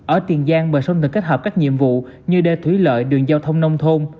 ở tiền giang bờ sông được kết hợp các nhiệm vụ như đê thủy lợi đường giao thông nông thôn